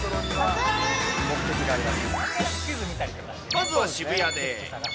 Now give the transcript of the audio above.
まずは渋谷で。